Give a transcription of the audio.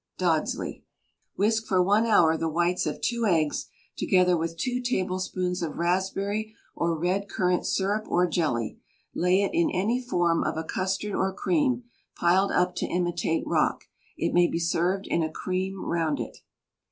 DODSLEY. Whisk for one hour the whites of two eggs, together with two tablespoonfuls of raspberry or red currant syrup or jelly; lay it in any form of a custard or cream, piled up to imitate rock. It may be served in a cream round it.